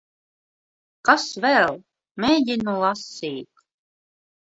Kas vēl? Mēģinu lasīt.